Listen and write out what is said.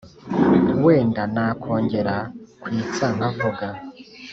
Wenda nakongera kwitsa nkavuga